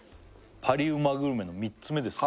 パリうまグルメの３つ目です